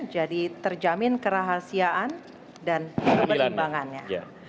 jadi terjamin kerahasiaan dan keberimbangannya